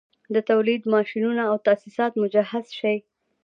د تولید ماشینونه او تاسیسات مجهز شي